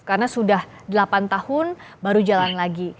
karena sudah delapan tahun baru jalan lagi